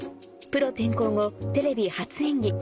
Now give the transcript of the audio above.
プロ転向後テレビ初演技